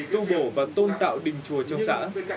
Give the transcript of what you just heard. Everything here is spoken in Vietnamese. tu bổ và tôn tạo đình chùa trong xã